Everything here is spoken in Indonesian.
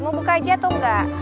mau buka aja atau enggak